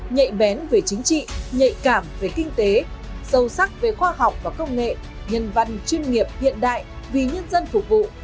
nhạy bén về chính trị nhạy cảm về kinh tế sâu sắc về khoa học và công nghệ nhân văn chuyên nghiệp hiện đại vì nhân dân phục vụ